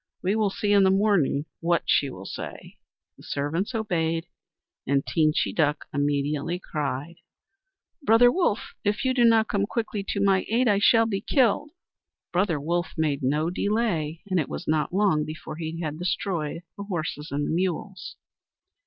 We will see in the morning what she will say." The servants obeyed, and Teenchy Duck immediately cried: "Brother Wolf, if you do not come quickly to my aid I shall be killed." Brother Wolf made no delay, and it was not long before he had destroyed the horses and the mules.